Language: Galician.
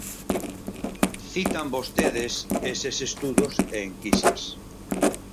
Citan vostedes eses estudos e enquisas.